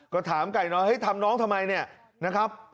ก็ถามไก่น้อยทำน้องทำไมเนี่ย